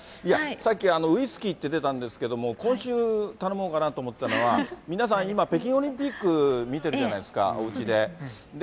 いや、さっき、ウイスキーって出たんですけど、今週頼もうかなと思ったのは、皆さん今、北京オリンピック見てるじゃないですか、おうちで。